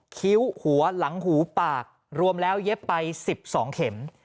คิ้วหัวหลังหูปากรวมแล้วเย็บไป๑๒เข็ม